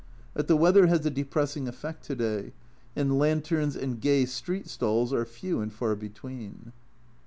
But the weather has a depressing effect to day, and lanterns and gay street stalls are few and far between.